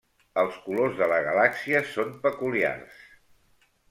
Els colors de la galàxia són peculiars.